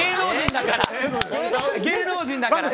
芸能人だから！